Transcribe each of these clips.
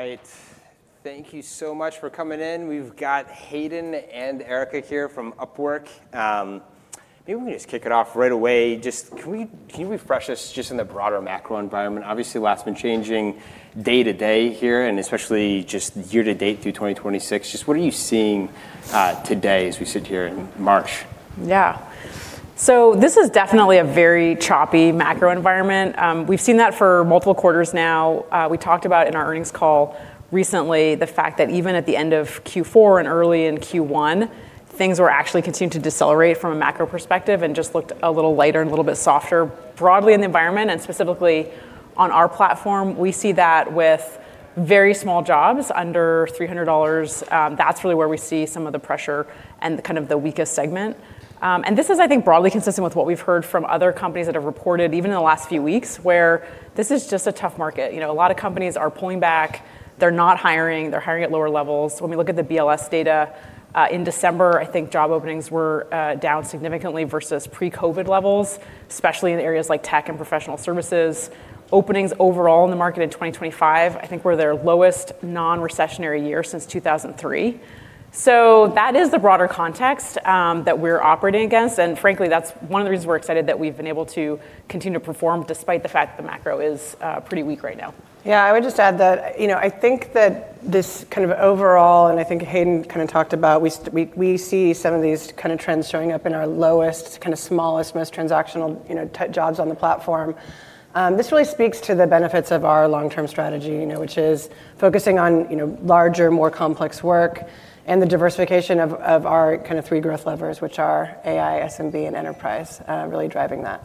All right. Thank you so much for coming in. We've got Hayden and Erica here from Upwork. Maybe we can just kick it off right away. Can you refresh us just in the broader macro environment? Obviously, a lot's been changing day to day here, and especially just year to date through 2026. Just what are you seeing today as we sit here in March? Yeah. This is definitely a very choppy macro environment. We've seen that for multiple quarters now. We talked about in our earnings call recently the fact that even at the end of Q4 and early in Q1, things were actually continuing to decelerate from a macro perspective and just looked a little lighter and a little bit softer broadly in the environment and specifically on our platform. We see that with very small jobs under $300. That's really where we see some of the pressure and kind of the weakest segment. This is, I think, broadly consistent with what we've heard from other companies that have reported even in the last few weeks, where this is just a tough market. You know, a lot of companies are pulling back. They're not hiring. They're hiring at lower levels. When we look at the BLS data, in December, I think job openings were down significantly versus pre-COVID levels, especially in areas like tech and professional services. Openings overall in the market in 2025, I think were their lowest non-recessionary year since 2003. That is the broader context that we're operating against, and frankly, that's one of the reasons we're excited that we've been able to continue to perform despite the fact that the macro is pretty weak right now. Yeah. I would just add that, you know, I think that this kind of overall, and I think Hayden kind of talked about we see some of these kind of trends showing up in our lowest, kind of smallest, most transactional, you know, jobs on the platform. This really speaks to the benefits of our long-term strategy, you know, which is focusing on, you know, larger, more complex work and the diversification of our kind of three growth levers, which are AI, SMB, and enterprise, really driving that.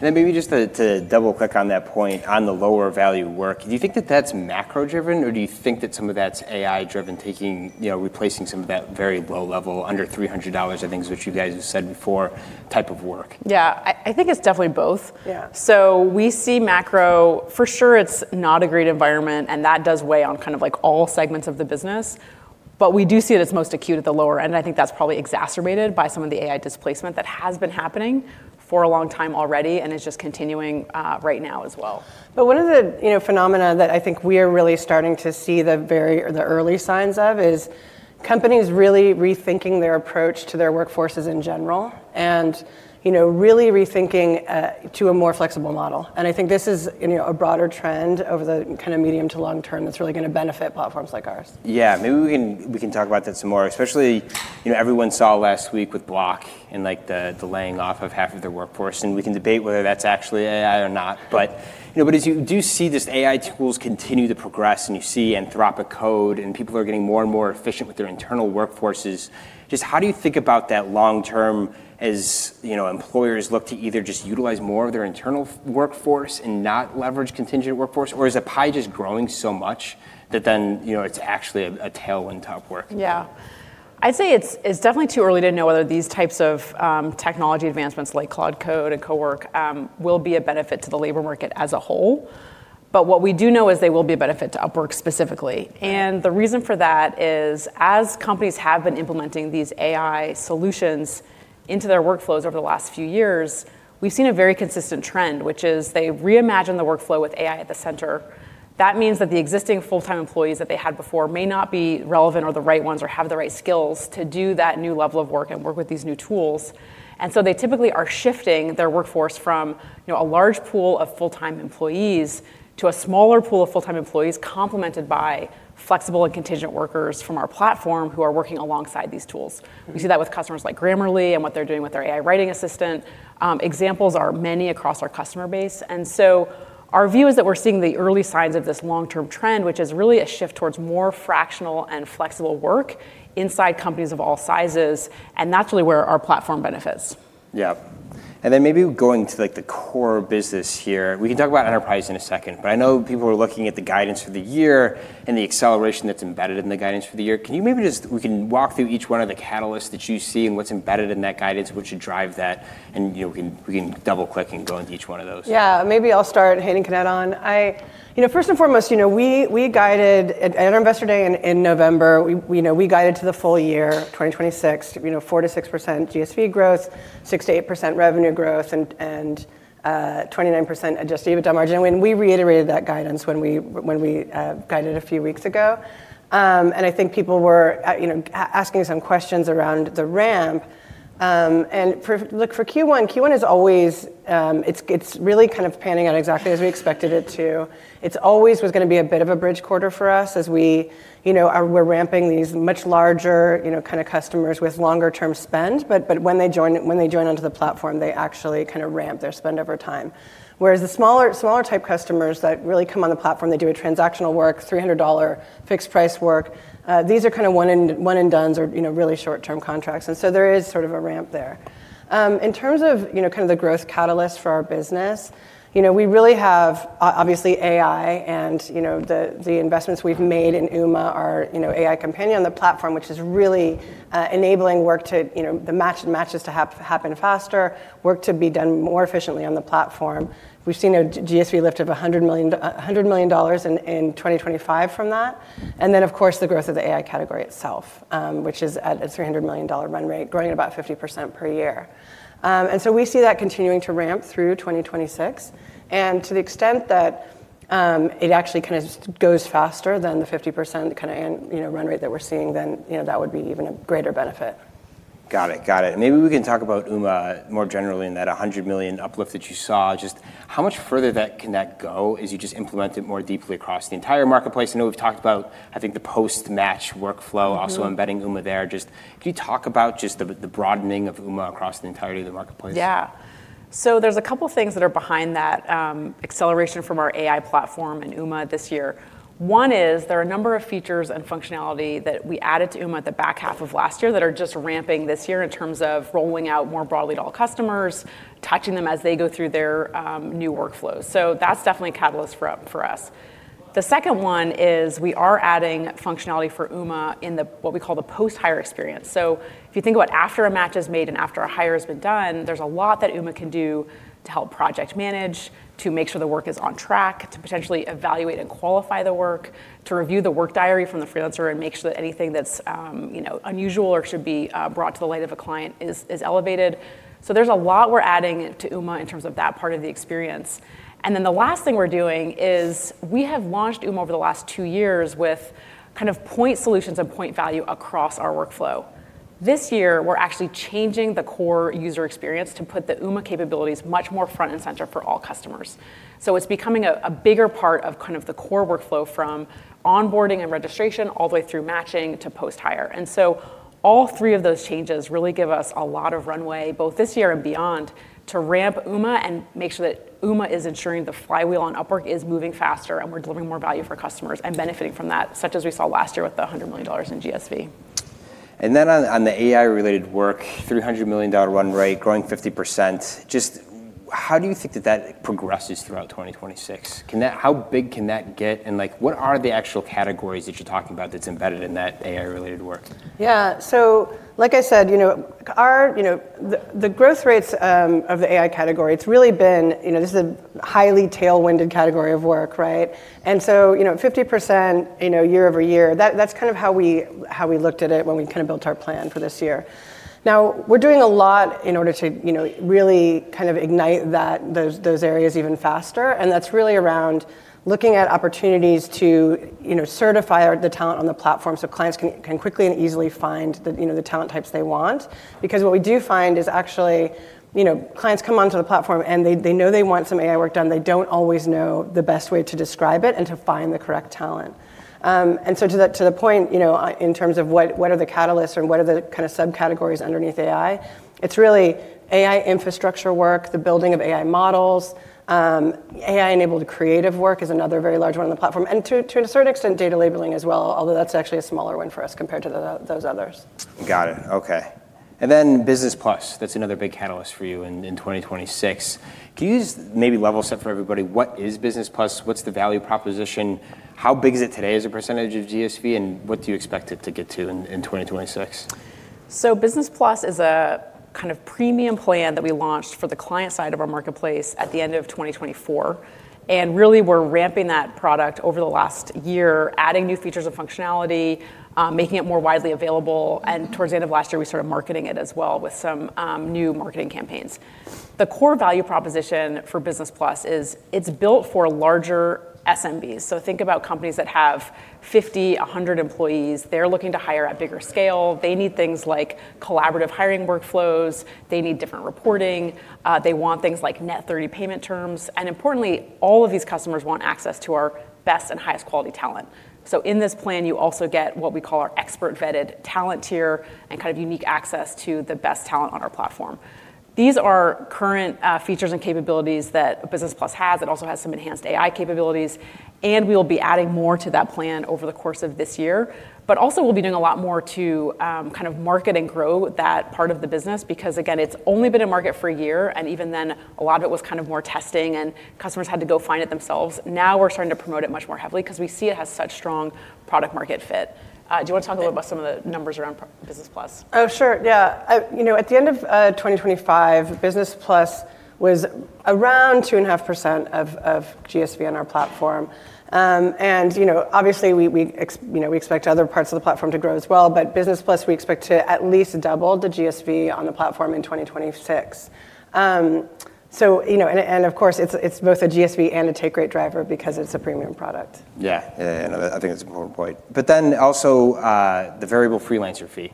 Maybe just to double-click on that point on the lower value work, do you think that that's macro-driven, or do you think that some of that's AI-driven taking, you know, replacing some of that very low-level, under $300, I think is what you guys have said before, type of work? Yeah. I think it's definitely both. Yeah. We see macro, for sure, it's not a great environment, and that does weigh on kind of like all segments of the business. We do see it as most acute at the lower end. I think that's probably exacerbated by some of the AI displacement that has been happening for a long time already and is just continuing right now as well. One of the, you know, phenomena that I think we are really starting to see the very or the early signs of is companies really rethinking their approach to their workforces in general and, you know, really rethinking to a more flexible model. I think this is, you know, a broader trend over the kind of medium to long term that's really gonna benefit platforms like ours. Yeah. Maybe we can, we can talk about that some more, especially, you know, everyone saw last week with Block and, like, the laying off of half of their workforce, and we can debate whether that's actually AI or not. As you do see these AI tools continue to progress, you see Anthropic Claude, and people are getting more and more efficient with their internal workforces, just how do you think about that long term as, you know, employers look to either just utilize more of their internal workforce and not leverage contingent workforce? Is the pie just growing so much that then, you know, it's actually a tailwind to Upwork? Yeah. I'd say it's definitely too early to know whether these types of technology advancements like Claude and CoWork will be a benefit to the labor market as a whole. What we do know is they will be a benefit to Upwork specifically. The reason for that is, as companies have been implementing these AI solutions into their workflows over the last few years, we've seen a very consistent trend, which is they reimagine the workflow with AI at the center. That means that the existing full-time employees that they had before may not be relevant or the right ones or have the right skills to do that new level of work and work with these new tools. They typically are shifting their workforce from, you know, a large pool of full-time employees to a smaller pool of full-time employees complemented by flexible and contingent workers from our platform who are working alongside these tools. We see that with customers like Grammarly and what they're doing with their AI writing assistant. Examples are many across our customer base. Our view is that we're seeing the early signs of this long-term trend, which is really a shift towards more fractional and flexible work inside companies of all sizes, and that's really where our platform benefits. Yeah. Then maybe going to, like, the core business here, we can talk about enterprise in a second, but I know people are looking at the guidance for the year and the acceleration that's embedded in the guidance for the year. Can you maybe we can walk through each one of the catalysts that you see and what's embedded in that guidance, what should drive that, and, you know, we can double-click and go into each one of those? Yeah. Maybe I'll start, Hayden can add on. You know, first and foremost, you know, we guided at our Investor Day in November, we, you know, we guided to the full year 2026, you know, 4%-6% GSV growth, 6%-8% revenue growth, and 29% adjusted EBITDA margin. We reiterated that guidance when we guided a few weeks ago, I think people were, you know, asking some questions around the ramp. Look, for Q1 is always, it's really kind of panning out exactly as we expected it to. It's always was gonna be a bit of a bridge quarter for us as we, you know, we're ramping these much larger, you know, kind of customers with longer-term spend. When they join onto the platform, they actually kinda ramp their spend over time. Whereas the smaller type customers that really come on the platform, they do a transactional work, $300 fixed price work, these are kinda one and dones or, you know, really short-term contracts. There is sort of a ramp there. In terms of, you know, kinda the growth catalyst for our business, you know, we really have obviously AI and, you know, the investments we've made in Uma, our, you know, AI companion on the platform, which is really enabling work to, you know, the matches to happen faster, work to be done more efficiently on the platform. We've seen a GSV lift of $100 million in 2025 from that. Of course, the growth of the AI category itself, which is at a $300 million run rate, growing about 50% per year. We see that continuing to ramp through 2026. To the extent that it actually kinda just goes faster than the 50% you know, run rate that we're seeing, then, you know, that would be even a greater benefit. Got it. Maybe we can talk about Uma more generally and that $100 million uplift that you saw. Just how much further that can go as you just implement it more deeply across the entire marketplace? I know we've talked about, I think, the post-match workflow- Mm-hmm. also embedding Uma there. Just can you talk about just the broadening of Uma across the entirety of the marketplace? There's a couple things that are behind that acceleration from our AI platform and Uma this year. One is there are a number of features and functionality that we added to Uma at the back half of last year that are just ramping this year in terms of rolling out more broadly to all customers, touching them as they go through their new workflows. That's definitely a catalyst for us. The second one is we are adding functionality for Uma in the, what we call the post-hire experience. If you think about after a match is made and after a hire has been done, there's a lot that Uma can do to help project manage, to make sure the work is on track, to potentially evaluate and qualify the work, to review the work diary from the freelancer and make sure that anything that's, you know, unusual or should be brought to the light of a client is elevated. There's a lot we're adding to Uma in terms of that part of the experience. The last thing we're doing is we have launched Uma over the last two years with kind of point solutions and point value across our workflow. This year, we're actually changing the core user experience to put the Uma capabilities much more front and center for all customers. It's becoming a bigger part of kind of the core workflow from onboarding and registration all the way through matching to post-hire. All three of those changes really give us a lot of runway, both this year and beyond, to ramp Uma and make sure that Uma is ensuring the flywheel on Upwork is moving faster, and we're delivering more value for customers and benefiting from that, such as we saw last year with the $100 million in GSV. On, on the AI-related work, $300 million run rate, growing 50%, just how do you think that that progresses throughout 2026? How big can that get, and, like, what are the actual categories that you're talking about that's embedded in that AI-related work? Yeah, like I said, you know, our, you know, the growth rates of the AI category, it's really been, you know, this is a highly tailwinded category of work, right. You know, 50% year-over-year, that's kinda how we, how we looked at it when we kinda built our plan for this year. Now, we're doing a lot in order to, you know, really kind of ignite those areas even faster, that's really around looking at opportunities to, you know, certify the talent on the platform so clients can quickly and easily find the, you know, the talent types they want. What we do find is actually, you know, clients come onto the platform, and they know they want some AI work done. They don't always know the best way to describe it and to find the correct talent. To the point, you know, in terms of what are the kinda subcategories underneath AI, it's really AI infrastructure work, the building of AI models. AI-enabled creative work is another very large one on the platform. To a certain extent, data labeling as well, although that's actually a smaller one for us compared to those others. Got it. Okay. Business Plus, that's another big catalyst for you in 2026. Can you just maybe level set for everybody what is Business Plus? What's the value proposition? How big is it today as a percentage of GSV, and what do you expect it to get to in 2026? Business Plus is a kind of premium plan that we launched for the client side of our marketplace at the end of 2024. Really, we're ramping that product over the last year, adding new features and functionality, making it more widely available. Towards the end of last year, we started marketing it as well with some new marketing campaigns. The core value proposition for Business Plus is it's built for larger SMBs. Think about companies that have 50, 100 employees. They're looking to hire at bigger scale. They need things like collaborative hiring workflows. They need different reporting. They want things like net thirty payment terms. Importantly, all of these customers want access to our best and highest quality talent. In this plan, you also get what we call our Expert-Vetted Talent tier and kind of unique access to the best talent on our platform. These are current features and capabilities that Business Plus has. It also has some enhanced AI capabilities, and we'll be adding more to that plan over the course of this year. Also, we'll be doing a lot more to kind of market and grow that part of the business because, again, it's only been in market for a year, and even then, a lot of it was kind of more testing, and customers had to go find it themselves. Now we're starting to promote it much more heavily 'cause we see it has such strong product market fit. Do you wanna talk a little about some of the numbers around Business Plus? Oh, sure, yeah. You know, at the end of 2025, Business Plus was around 2.5% of GSV on our platform. you know, obviously we, you know, we expect other parts of the platform to grow as well. Business Plus, we expect to at least double the GSV on the platform in 2026. you know, and, of course, it's both a GSV and a take rate driver because it's a premium product. Yeah. Yeah, no, I think that's an important point. Also, the variable freelancer fee,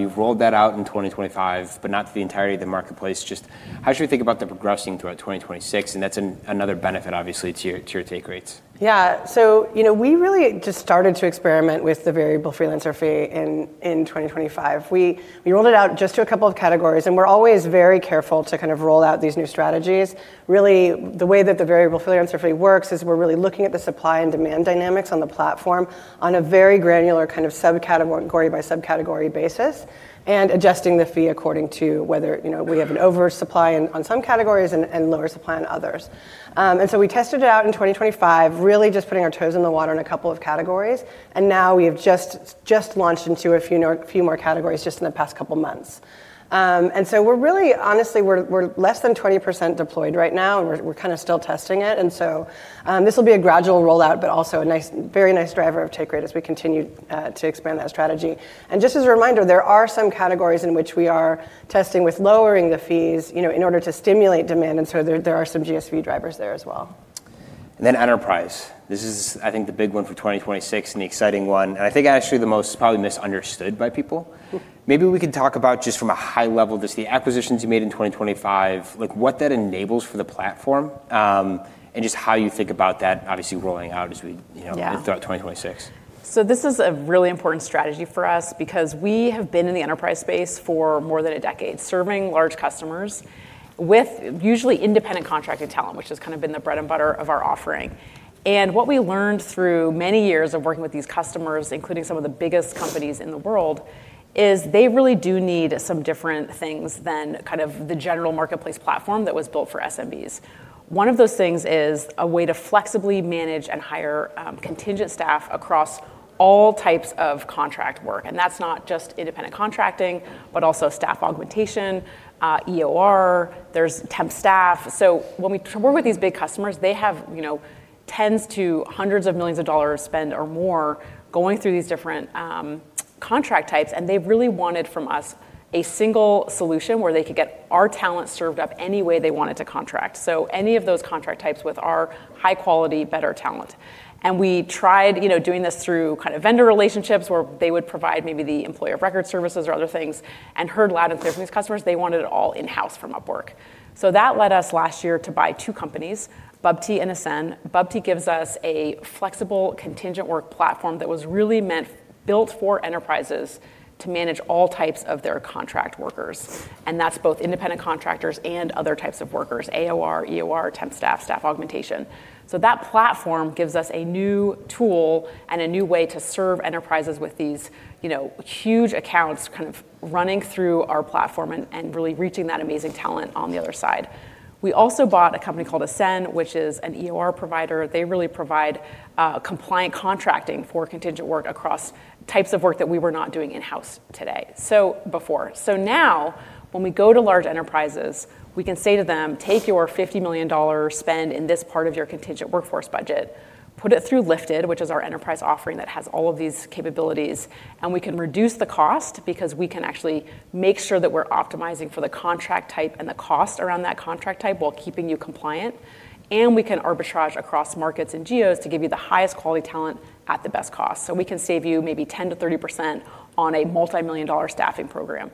you've rolled that out in 2025 but not to the entirety of the marketplace. Just how should we think about that progressing throughout 2026? That's another benefit obviously to your, to your take rates. Yeah. You know, we really just started to experiment with the variable freelancer fee in 2025. We rolled it out just to a couple of categories. We're always very careful to kind of roll out these new strategies. Really, the way that the variable freelancer fee works is we're really looking at the supply and demand dynamics on the platform on a very granular kind of subcategory by subcategory basis and adjusting the fee according to whether, you know, we have an oversupply on some categories and lower supply on others. We tested it out in 2025, really just putting our toes in the water in a couple of categories. Now we have just launched into a few more categories just in the past couple months. We're really...Honestly, we're less than 20% deployed right now, and we're kinda still testing it. This will be a gradual rollout but also a nice, very nice driver of take rate as we continue to expand that strategy. Just as a reminder, there are some categories in which we are testing with lowering the fees, you know, in order to stimulate demand. There are some GSV drivers there as well. Enterprise. This is, I think, the big one for 2026, and the exciting one, and I think actually the most probably misunderstood by people. Mm-hmm. Maybe we can talk about just from a high level, just the acquisitions you made in 2025, like what that enables for the platform, and just how you think about that obviously rolling out as we, you know. Yeah throughout 2026. This is a really important strategy for us because we have been in the enterprise space for more than a decade, serving large customers with usually independent contracted talent, which has kind of been the bread and butter of our offering. What we learned through many years of working with these customers, including some of the biggest companies in the world, is they really do need some different things than kind of the general marketplace platform that was built for SMBs. One of those things is a way to flexibly manage and hire contingent staff across all types of contract work, and that's not just independent contracting, but also staff augmentation, EOR. There's temp staff. When we work with these big customers, they have, you know, $10 million-$100 million spend or more going through these different contract types, they've really wanted from us a single solution where they could get our talent served up any way they wanted to contract, so any of those contract types with our high-quality better talent. We tried, you know, doing this through kind of vendor relationships where they would provide maybe the employer of record services or other things and heard loud and clear from these customers they wanted it all in-house from Upwork. That led us last year to buy two companies, Bubty and Ascen. Bubty gives us a flexible contingent work platform that was really built for enterprises to manage all types of their contract workers, and that's both independent contractors and other types of workers, AOR, EOR, temp staff augmentation. That platform gives us a new tool and a new way to serve enterprises with these, you know, huge accounts kind of running through our platform and really reaching that amazing talent on the other side. We also bought a company called Ascen, which is an EOR provider. They really provide compliant contracting for contingent work across types of work that we were not doing in-house today, so before. Now, when we go to large enterprises, we can say to them, "Take your $50 million spend in this part of your contingent workforce budget, put it through Lifted," which is our enterprise offering that has all of these capabilities, "we can reduce the cost because we can actually make sure that we're optimizing for the contract type and the cost around that contract type while keeping you compliant. We can arbitrage across markets and geos to give you the highest quality talent at the best cost. We can save you maybe 10%-30% on a multimillion-dollar staffing program."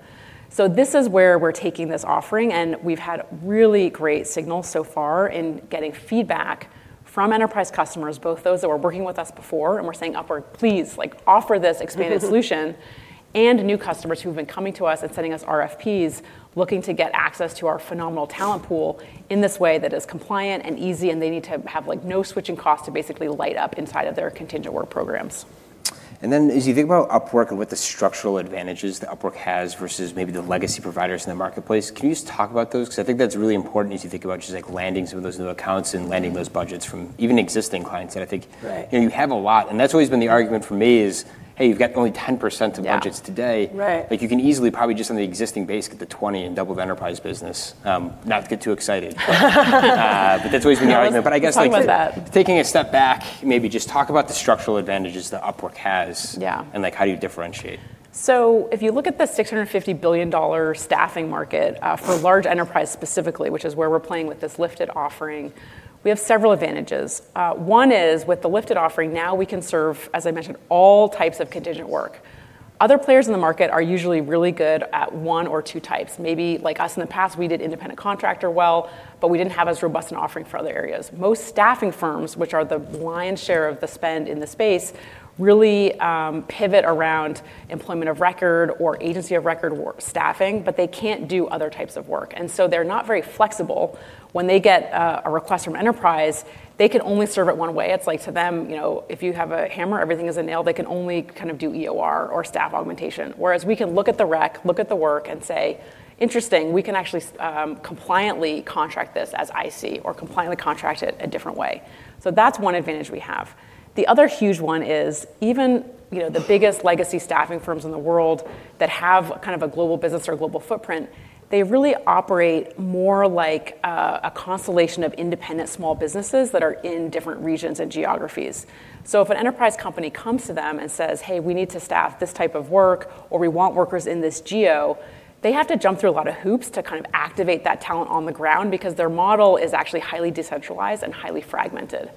This is where we're taking this offering, and we've had really great signals so far in getting feedback from enterprise customers, both those that were working with us before and were saying, "Upwork, please, like, offer this expanded solution," and new customers who've been coming to us and sending us RFPs looking to get access to our phenomenal talent pool in this way that is compliant and easy, and they need to have, like, no switching costs to basically light up inside of their contingent work programs. As you think about Upwork and what the structural advantages that Upwork has versus maybe the legacy providers in the marketplace, can you just talk about those? I think that's really important as you think about just, like, landing some of those new accounts and landing those budgets from even existing clients. I think, you know, you have a lot. That's always been the argument for me is, "Hey, you've got only 10% of budgets today. Yeah. Right. Like, you can easily probably just on the existing base get to 20 and double the enterprise business. Not to get too excited. That's always been the argument. Let's talk about that. I guess like taking a step back, maybe just talk about the structural advantages that Upwork has. Yeah Like, how do you differentiate? If you look at the $650 billion staffing market for large enterprise specifically, which is where we're playing with this Lifted offering, we have several advantages. One is with the Lifted offering, now we can serve, as I mentioned, all types of contingent work. Other players in the market are usually really good at one or two types. Maybe like us in the past, we did independent contractor well, but we didn't have as robust an offering for other areas. Most staffing firms, which are the lion's share of the spend in the space, really pivot around employment of record or agency of record staffing, but they can't do other types of work. They're not very flexible. When they get a request from enterprise, they can only serve it one way. It's like to them, you know, if you have a hammer, everything is a nail. They can only kind of do EOR or staff augmentation. We can look at the req, look at the work and say, "Interesting. We can actually compliantly contract this as IC or compliantly contract it a different way." That's one advantage we have. The other huge one is even, you know, the biggest legacy staffing firms in the world that have kind of a global business or global footprint, they really operate more like a constellation of independent small businesses that are in different regions and geographies. If an enterprise company comes to them and says, "Hey, we need to staff this type of work," or, "We want workers in this geo," they have to jump through a lot of hoops to kind of activate that talent on the ground because their model is actually highly decentralized and highly fragmented.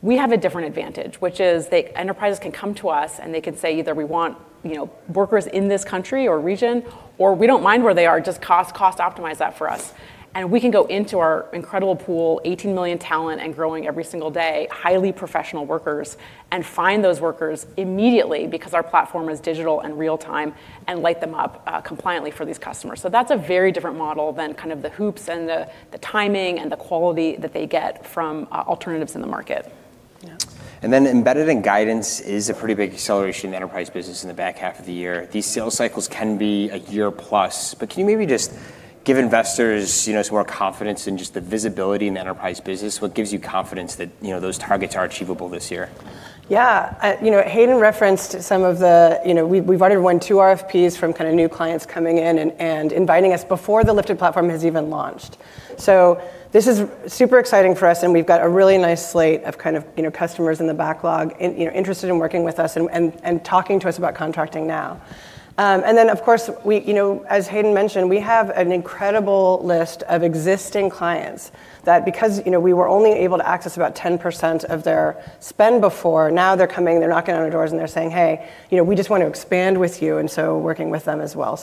We have a different advantage, which is that enterprises can come to us, and they can say either, "We want, you know, workers in this country or region," or, "We don't mind where they are. Just cost optimize that for us." We can go into our incredible pool, 18 million talent and growing every single day, highly professional workers, and find those workers immediately because our platform is digital and real time and light them up compliantly for these customers. That's a very different model than kind of the hoops and the timing and the quality that they get from alternatives in the market. Yeah. Embedded in guidance is a pretty big acceleration in enterprise business in the back half of the year. These sales cycles can be a year plus. Can you maybe just give investors, you know, some more confidence in just the visibility in the enterprise business? What gives you confidence that, you know, those targets are achievable this year? You know, Hayden referenced some of the... You know, we've already won two RFPs from kinda new clients coming in and inviting us before the Lifted platform has even launched. This is super exciting for us, and we've got a really nice slate of kind of, you know, customers in the backlog, you know, interested in working with us and talking to us about contracting now. Of course, we, you know, as Hayden mentioned, we have an incredible list of existing clients that because, you know, we were only able to access about 10% of their spend before, now they're coming, they're knocking on our doors, and they're saying, "Hey, you know, we just want to expand with you," working with them as well.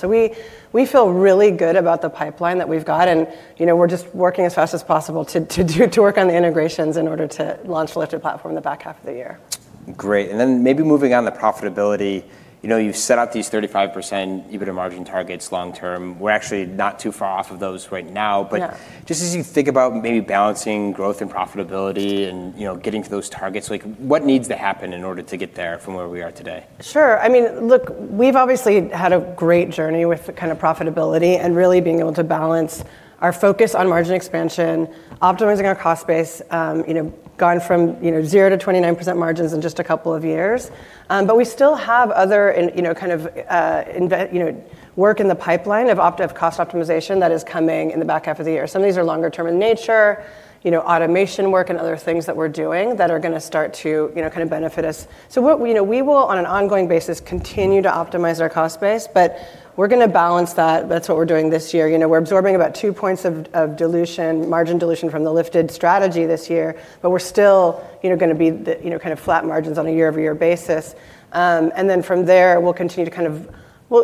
We feel really good about the pipeline that we've got, and, you know, we're just working as fast as possible to work on the integrations in order to launch the Lifted platform in the back half of the year. Great. Maybe moving on to profitability. You know, you've set out these 35% EBITDA margin targets long term. We're actually not too far off of those right now. Yeah. Just as you think about maybe balancing growth and profitability and, you know, getting to those targets, like, what needs to happen in order to get there from where we are today? Sure. I mean, look, we've obviously had a great journey with the kinda profitability and really being able to balance our focus on margin expansion, optimizing our cost base, you know, gone from, you know, 0%-29% margins in just a couple of years. We still have other in, you know, kind of, you know, work in the pipeline of cost optimization that is coming in the back half of the year. Some of these are longer term in nature, you know, automation work and other things that we're doing that are gonna start to, you know, kinda benefit us. You know, we will on an ongoing basis continue to optimize our cost base, but we're gonna balance that. That's what we're doing this year. You know, we're absorbing about two points of dilution, margin dilution from the Lifted strategy this year, but we're still, you know, gonna be the, you know, kind of flat margins on a year-over-year basis. From there, we'll continue to kind of,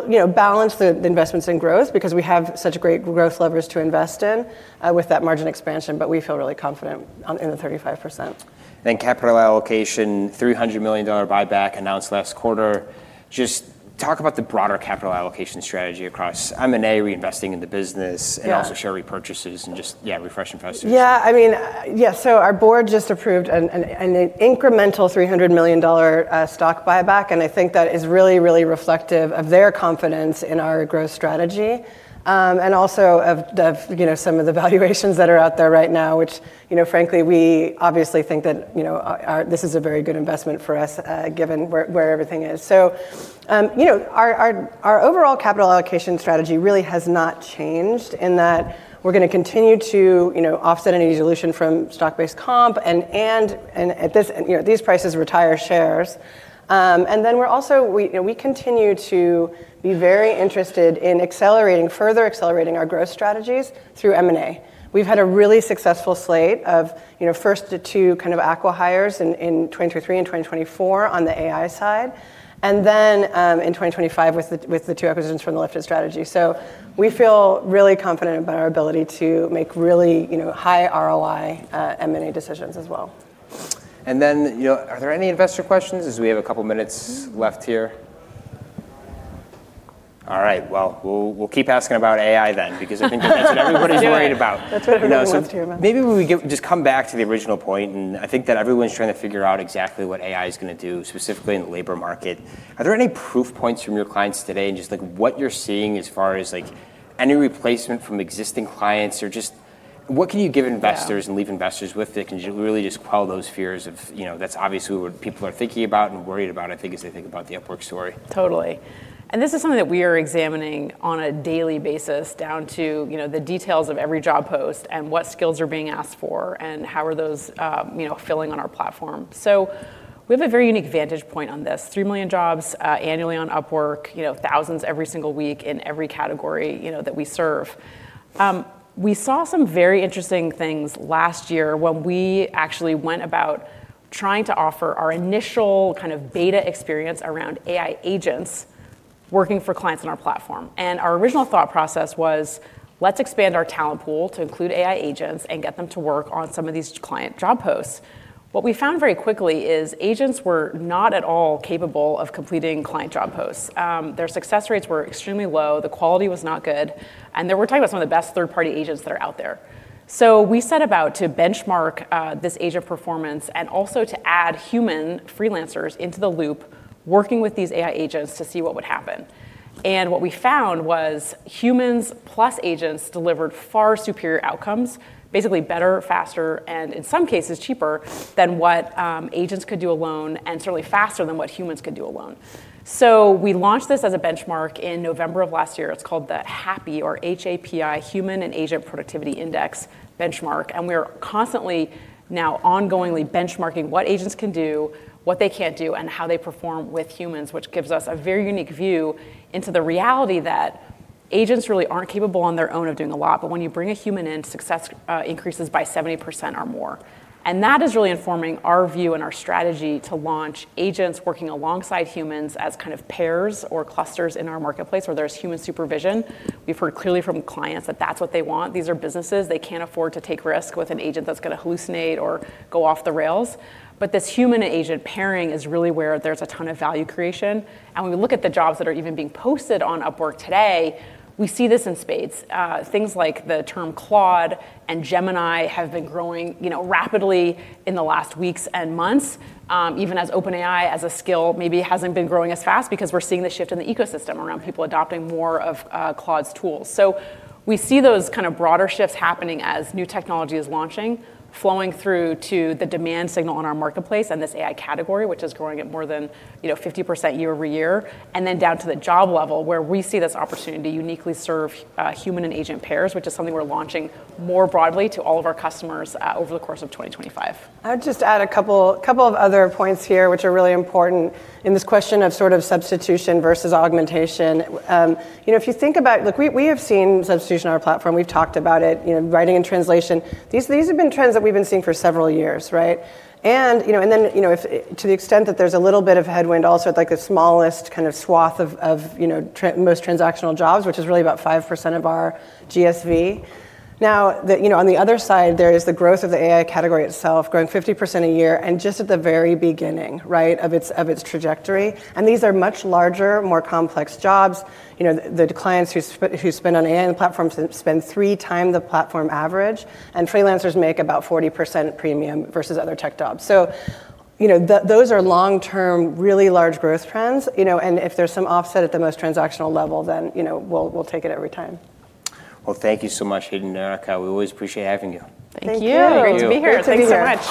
you know, balance the investments in growth because we have such great growth levers to invest in, with that margin expansion, but we feel really confident on, in the 35%. Capital allocation, $300 million buyback announced last quarter. Just talk about the broader capital allocation strategy across M&A, reinvesting in the business? Yeah Also share repurchases and just, yeah, refreshing investors. I mean, our board just approved an incremental $300 million stock buyback, and I think that is really reflective of their confidence in our growth strategy, and also of the, you know, some of the valuations that are out there right now, which, you know, frankly, we obviously think that, you know, this is a very good investment for us, given where everything is. You know, our overall capital allocation strategy really has not changed in that we're gonna continue to, you know, offset any dilution from stock-based comp and at this, you know, these prices retire shares. We also, you know, we continue to be very interested in accelerating, further accelerating our growth strategies through M&A. We've had a really successful slate of, you know, first the two kind of acquihires in 2023 and 2024 on the AI side, and then, in 2025 with the, with the two acquisitions from the Lifted strategy. We feel really confident about our ability to make really, you know, high ROI, M&A decisions as well. You know, are there any investor questions, as we have a couple minutes left here? All right. Well, we'll keep asking about AI then because I think that's what everybody's worried about. That's what everyone wants to hear about. Maybe we just come back to the original point, and I think that everyone's trying to figure out exactly what AI is gonna do, specifically in the labor market. Are there any proof points from your clients today and just, like, what you're seeing as far as, like, any replacement from existing clients or just what can you give investors? Yeah Leave investors with that can really just quell those fears of, you know, that's obviously what people are thinking about and worried about, I think, as they think about the Upwork story. Totally. This is something that we are examining on a daily basis down to, you know, the details of every job post and what skills are being asked for and how are those, you know, filling on our platform. We have a very unique vantage point on this. 3 million jobs annually on Upwork, you know, thousands every single week in every category, you know, that we serve. We saw some very interesting things last year when we actually went about trying to offer our initial kind of beta experience around AI agents working for clients on our platform. Our original thought process was, let's expand our talent pool to include AI agents and get them to work on some of these client job posts. What we found very quickly is agents were not at all capable of completing client job posts. Their success rates were extremely low. The quality was not good. We're talking about some of the best third-party agents that are out there. We set about to benchmark this agent performance and also to add human freelancers into the loop working with these AI agents to see what would happen. What we found was humans plus agents delivered far superior outcomes, basically better, faster, and in some cases cheaper than what agents could do alone, and certainly faster than what humans could do alone. We launched this as a benchmark in November of last year. It's called the HAPI or HAPI, Human and Agent Productivity Index Benchmark. We're constantly now ongoingly benchmarking what agents can do, what they can't do, and how they perform with humans, which gives us a very unique view into the reality that agents really aren't capable on their own of doing a lot. When you bring a human in, success increases by 70% or more. That is really informing our view and our strategy to launch agents working alongside humans as kind of pairs or clusters in our marketplace where there's human supervision. We've heard clearly from clients that that's what they want. These are businesses. They can't afford to take risk with an agent that's gonna hallucinate or go off the rails. This human agent pairing is really where there's a ton of value creation. When we look at the jobs that are even being posted on Upwork today, we see this in spades. Things like the term Claude and Gemini have been growing, you know, rapidly in the last weeks and months, even as OpenAI as a skill maybe hasn't been growing as fast because we're seeing the shift in the ecosystem around people adopting more of Claude's tools. We see those kind of broader shifts happening as new technology is launching, flowing through to the demand signal on our marketplace and this AI category, which is growing at more than, you know, 50% year-over-year, down to the job level where we see this opportunity to uniquely serve human and agent pairs, which is something we're launching more broadly to all of our customers over the course of 2025. I'd just add a couple of other points here, which are really important in this question of sort of substitution versus augmentation. you know, if you look, we have seen substitution on our platform. We've talked about it, you know, writing and translation. These have been trends that we've been seeing for several years, right? you know, and then, you know, if to the extent that there's a little bit of headwind also at like the smallest kind of swath of, you know, most transactional jobs, which is really about 5% of our GSV. Now the, you know, on the other side, there is the growth of the AI category itself growing 50% a year and just at the very beginning, right, of its, of its trajectory. These are much larger, more complex jobs. You know, the clients who spend on AI on the platform spend 3x the platform average. Freelancers make about 40% premium versus other tech jobs. You know, those are long-term, really large growth trends. You know, if there's some offset at the most transactional level, you know, we'll take it every time. Well, thank you so much, Hayden and Erica. We always appreciate having you. Thank you. Thank you. Great to be here. Thanks so much.